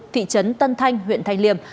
thị trấn tân thanh huyện thanh liêm